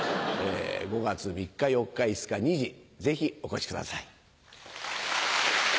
５月３日４日５日２時ぜひお越しください。